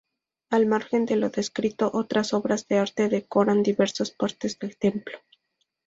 Al margen de lo descrito, otras obras de arte decoran diversas partes del templo.